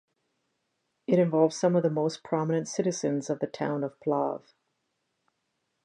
It involved some of the most prominent citizens of the town of Plav.